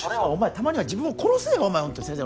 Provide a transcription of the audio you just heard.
たまには自分を殺せよお前先生